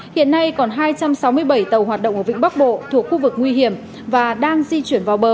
hiện nay còn hai trăm sáu mươi bảy tàu hoạt động ở vĩnh bắc bộ thuộc khu vực nguy hiểm và đang di chuyển vào bờ